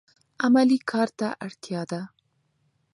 عملي کار ته اړتیا ده.